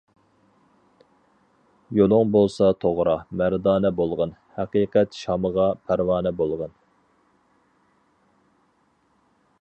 يولۇڭ بولسا توغرا، مەردانە بولغىن، ھەقىقەت شامىغا پەرۋانە بولغىن.